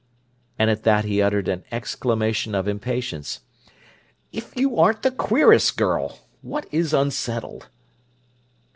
And at that he uttered an exclamation of impatience. "If you aren't the queerest girl! What is 'unsettled'?"